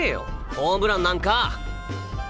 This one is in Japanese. ホームランなんか！